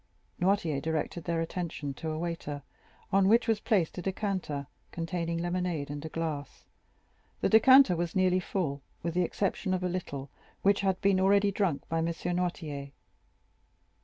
Noirtier directed their attention to a waiter, on which was placed a decanter containing lemonade and a glass. The decanter was nearly full, with the exception of a little, which had been already drunk by M. Noirtier.